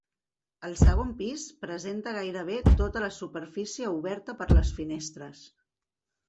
El segon pis presenta gairebé tota la superfície oberta per les finestres.